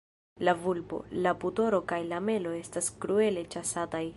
La vulpo, la putoro kaj la melo estas kruele ĉasataj.